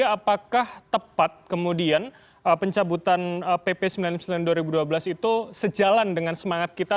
apakah tepat kemudian pencabutan pp sembilan puluh sembilan dua ribu dua belas itu sejalan dengan semangat kita